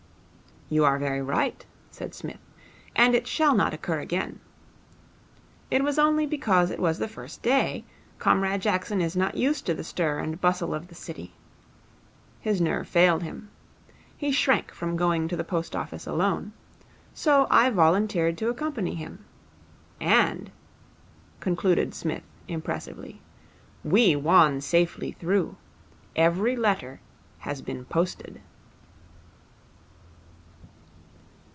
'You are very right,' said Psmith, 'and it shall not occur again. It was only because it was the first day, Comrade Jackson is not used to the stir and bustle of the City. His nerve failed him. He shrank from going to the post office alone. So I volunteered to accompany him. And,' concluded Psmith, impressively, 'we won safely through. Every letter has been posted.'